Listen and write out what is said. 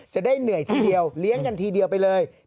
จะได้เหนื่อยทีเดียวเลี้ยงกันทีเดียวไปเลย